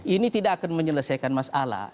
ini tidak akan menyelesaikan masalah